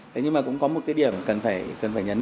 thế nhưng mà cũng có một cái điểm cần phải nhấn mạnh